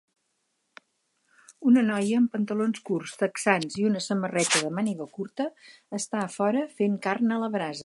Una noia amb pantalons curts texans i una samarreta de màniga curta està a fora fent carn a la brasa.